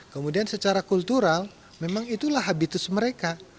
kemudian secara kultural memang itulah habitus mereka